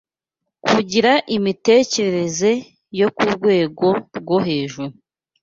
kugira imitekerereze yo ku rwego rwo hejuru